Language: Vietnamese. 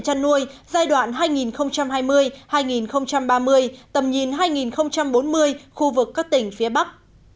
chăn nuôi giai đoạn hai nghìn hai mươi hai nghìn ba mươi tầm nhìn hai nghìn bốn mươi khu vực các tỉnh phía bắc